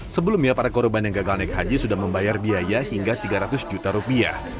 sebelumnya para korban yang gagal naik haji sudah membayar biaya hingga tiga ratus juta rupiah